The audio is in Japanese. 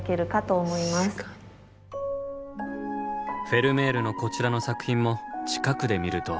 フェルメールのこちらの作品も近くで見ると。